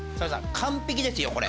完璧ですよこれ。